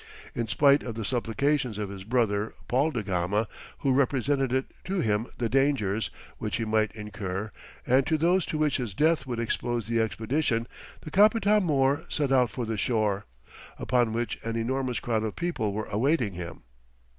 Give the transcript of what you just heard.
In spite of the supplications of his brother, Paul da Gama, who represented to him the dangers which he might incur, and those to which his death would expose the expedition, the Capitam mõr set out for the shore, upon which an enormous crowd of people were awaiting him.